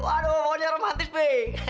waduh ohnya romantis be